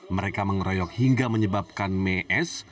mereka mengeroyok hingga menyebabkan mes